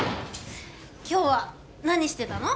今日は何してたの？